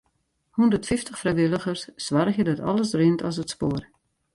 Hûndertfyftich frijwilligers soargje dat alles rint as it spoar.